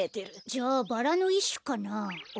じゃバラのいっしゅかな。